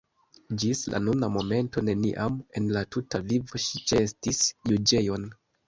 Ĝis la nuna momento neniam en la tuta vivo ŝi ĉeestis juĝejon.